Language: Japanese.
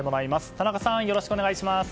田中さん、よろしくお願いします。